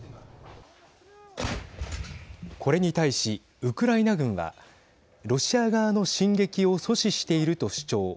これに対し、ウクライナ軍はロシア側の進撃を阻止していると主張。